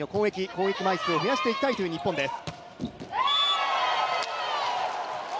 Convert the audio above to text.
攻撃枚数を増やしていきたいという日本です。